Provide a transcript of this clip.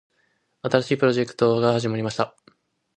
新しいプロジェクトが始まりました。